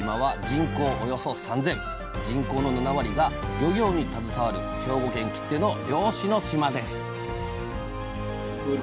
人口の７割が漁業に携わる兵庫県きっての漁師の島です